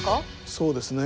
そうですね。